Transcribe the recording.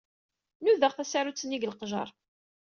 Nudaɣ tasarut-nni deg leqjer.